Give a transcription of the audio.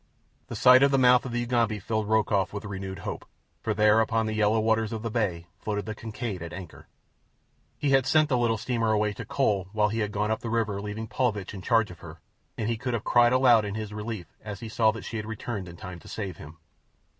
The sight of the mouth of the Ugambi filled Rokoff with renewed hope, for there, upon the yellow waters of the bay, floated the Kincaid at anchor. He had sent the little steamer away to coal while he had gone up the river, leaving Paulvitch in charge of her, and he could have cried aloud in his relief as he saw that she had returned in time to save him.